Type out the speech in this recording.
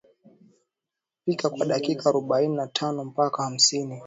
Pika kwa dakika arobaini na tano mpaka hamsini